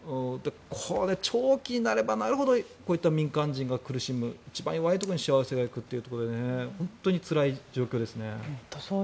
これ、長期になればなるほどこういった民間人が苦しむ一番弱いところにしわ寄せがいくということで本当につらい状況ですね。